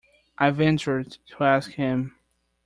I ventured to ask him.